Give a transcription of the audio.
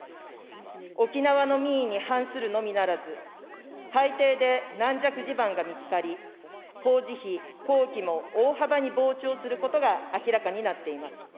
沖縄の民意に反するのみならず、海底で軟弱地盤が見つかり、工事費、工期も大幅に膨張することが明らかになっています。